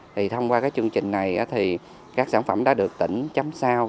thì thông qua cái chương trình này thì các sản phẩm đã được tỉnh chấm sao